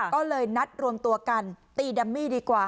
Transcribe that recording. ก็เลยนัดรวมตัวกันตีดัมมี่ดีกว่า